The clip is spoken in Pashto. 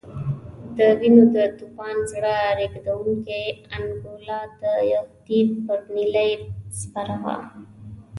د وینو د توپان زړه رېږدونکې انګولا د تهدید پر نیلۍ سپره وه.